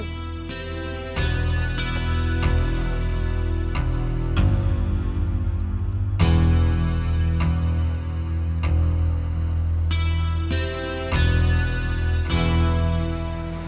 tepuk tangan buat bang edi